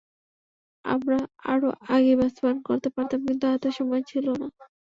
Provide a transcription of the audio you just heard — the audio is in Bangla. আমরা আরও আগেই বাস্তবায়ন করতে পারতাম, কিন্তু হাতে সময় ছিল না।